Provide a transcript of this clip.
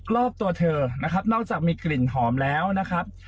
รอบตัวเธอนะครับนอกจากมีกลิ่นหอมแล้วนะครับ